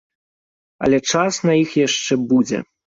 Але час на іх яшчэ будзе.